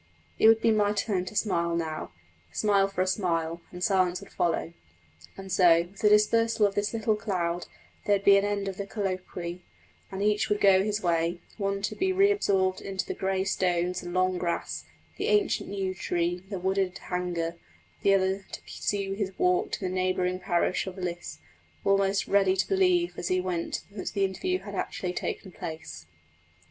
It would be my turn to smile now a smile for a smile and silence would follow. And so, with the dispersal of this little cloud, there would be an end of the colloquy, and each would go his way: one to be re absorbed into the grey stones and long grass, the ancient yew tree, the wooded Hanger; the other to pursue his walk to the neighbouring parish of Liss, almost ready to believe as he went that the interview had actually taken place.